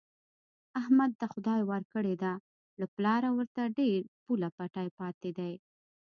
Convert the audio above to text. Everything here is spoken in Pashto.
احمد ته خدای ورکړې ده، له پلاره ورته ډېر پوله پټی پاتې دی.